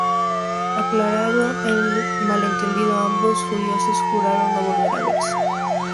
Aclarado el malentendido, ambos furiosos juran no volver a verse.